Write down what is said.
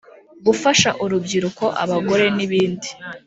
Gufasha urubyiruko abagore n ibindi